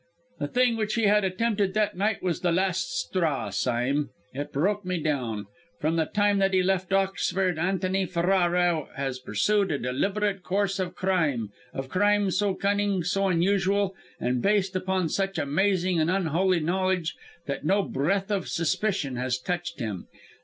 "The thing which he had attempted that night was the last straw, Sime; it broke me down. From the time that he left Oxford, Antony Ferrara has pursued a deliberate course of crime, of crime so cunning, so unusual, and based upon such amazing and unholy knowledge that no breath of suspicion has touched him.